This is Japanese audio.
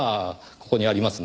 ここにありますね。